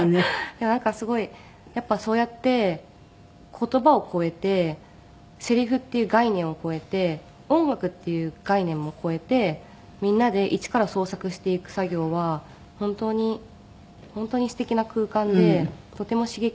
いやなんかすごいやっぱりそうやって言葉を超えてセリフっていう概念を超えて音楽っていう概念も超えてみんなで一から創作していく作業は本当に本当に素敵な空間でとても刺激になりますし。